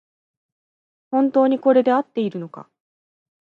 本当にこれであっているのか